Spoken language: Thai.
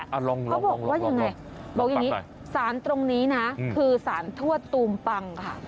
เขาบอกว่ายังไงบอกอย่างนี้สารตรงนี้นะคือสารทวดตูมปังค่ะ